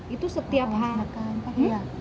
itu setiap hari